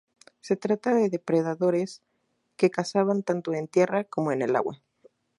Se trata de depredadores que cazaban tanto en tierra como en el agua.